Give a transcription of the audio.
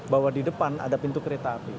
bahwa di depan ada pintu kereta api